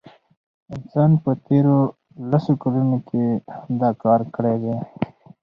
انسان په تیرو لسو کلونو کې همدغه کار کړی دی.